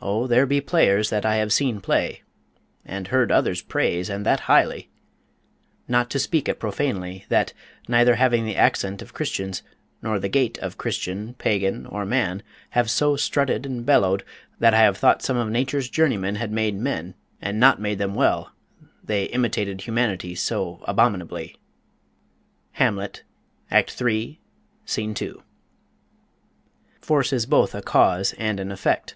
Oh, there be players that I have seen play and heard others praise, and that highly not to speak it profanely, that, neither having the accent of Christians, nor the gait of Christian, pagan, or man, have so strutted and bellowed that I have thought some of Nature's journeymen had made men, and not made them well, they imitated humanity so abominably. Force is both a cause and an effect.